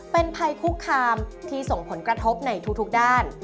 เป็นภัยคุกคามที่ส่งผลกระทบในทุกด้าน